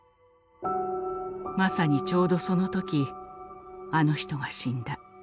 「まさにちょうどその時あの人が死んだ。